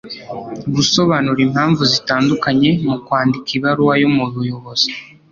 gusobanura impamvu zitandukanye mu kwandika ibaruwa yo mu buyobozi